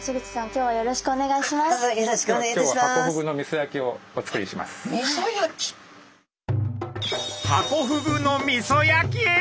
今日はハコフグのみそ焼き！？